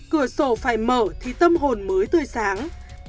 cửa sổ phải mở thì tâm hồn mới tươi sáng